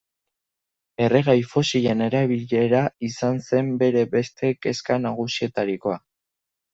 Erregai fosilen erabilera izan zen bere beste kezka nagusietarikoa.